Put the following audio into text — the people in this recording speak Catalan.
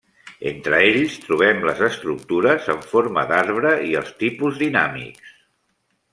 Entre ells trobem les estructures en forma d'arbre i els tipus dinàmics.